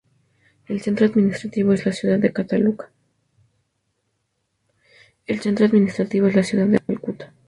El centro administrativo es la ciudad de Calcuta.